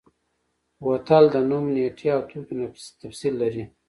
بوتل د نوم، نیټې او توکي تفصیل لري.